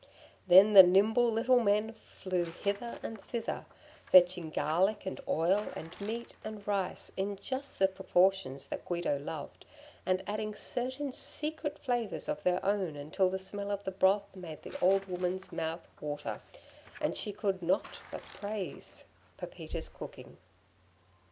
Then the nimble little men flew hither and thither, fetching garlic and oil and meat and rice in just the proportions that Guido loved, and adding certain secret flavours of their own until the smell of the broth made the old woman's mouth water, and she could not but praise Pepita's cooking.